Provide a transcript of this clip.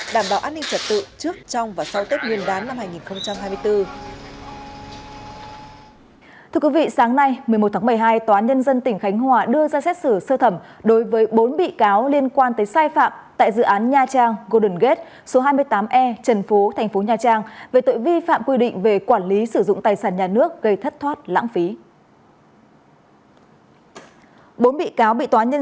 đảm bảo an ninh trật tự trước trong và sau tết nguyên đán năm hai nghìn hai mươi bốn